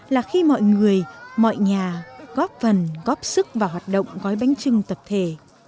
là khi mọi người mọi nhà góp phần góp sức vào hoạt động gói bánh trưng tập thể